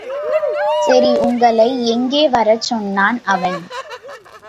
சரி, உங்களை எங்கே வரச் சொன்னான் அவன்?